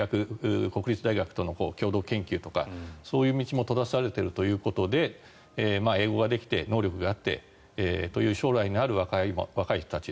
国立大学との共同研究とかそういう道も閉ざされているということで英語ができて能力があってという将来のある若い人たち